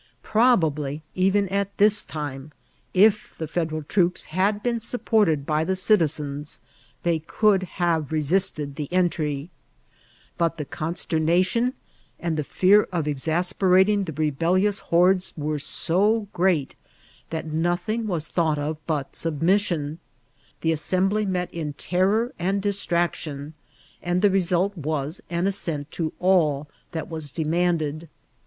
Probably, even at this time, if the Federal tro<^ had been supported by the citizens they could have resisted the entry; but the consternation, and the fear of exasperating the rebel fioul hordes, were so great, that nothing was thou^t of APPBAKANGB Of CAE&B&A. SSI Irat sobmissioD. The Araemblj met in terrdr and dii traction, and the result was an assent to all that was demanded.